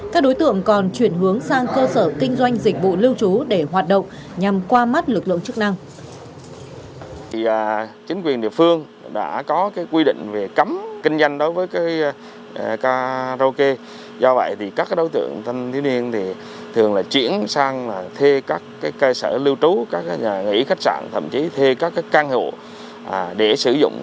các đối tượng còn chuyển hướng sang cơ sở kinh doanh dịch vụ lưu trú để hoạt động nhằm qua mắt lực lượng chức năng